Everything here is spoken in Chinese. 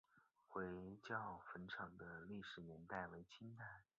回教坟场的历史年代为清代。